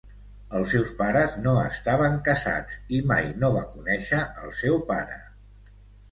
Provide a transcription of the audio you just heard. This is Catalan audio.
Els seus pares no estaven casats i mai no va conèixer el seu pare.